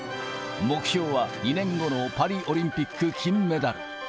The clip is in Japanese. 目標は２年後のパリオリンピック金メダル。